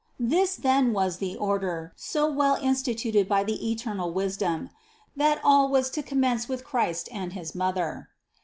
This then was the order, so well instituted by the eternal wisdom : that all was to commence with Christ and his Mother.